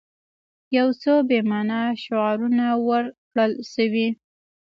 یو څو بې معنا شعارونه ورکړل شوي.